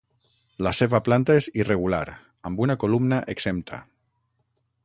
La seva planta és irregular amb una columna exempta.